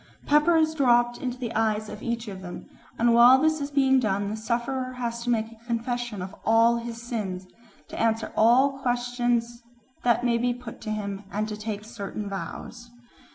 Pepper is dropped into the eyes of each of them, and while this is being done the sufferer has to make a confession of all his sins, to answer all questions that may be put to him, and to take certain vows.